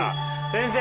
先生。